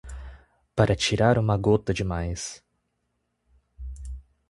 Para tirar uma gota demais